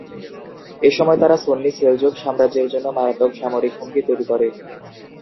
এসময় তারা সুন্নি সেলজুক সাম্রাজ্যের জন্য মারাত্মক সামরিক হুমকি তৈরী করে।